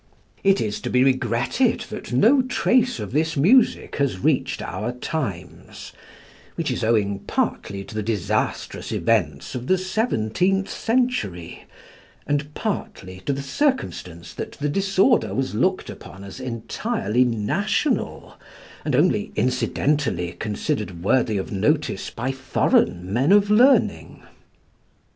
It is to be regretted that no trace of this music has reached out times, which is owing partly to the disastrous events of the seventeenth century, and partly to the circumstance that the disorder was looked upon as entirely national, and only incidentally considered worthy of notice by foreign men of learning.